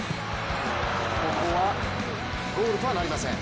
ここはゴールとはなりません。